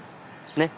ねっ。